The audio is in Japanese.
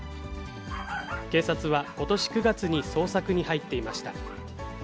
警察は、ことし９月に捜索に入っていました。